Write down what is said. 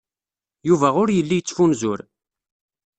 Yuba ur yelli yettfunzur.